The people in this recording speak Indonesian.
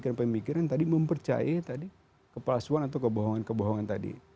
terbentuk pada pemikiran pemikiran tadi mempercaya tadi kepalsuan atau kebohongan kebohongan tadi